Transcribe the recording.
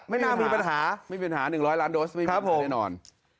ไม่มีปัญหา๑๐๐ล้านโดสไม่มีปัญหาแน่นอน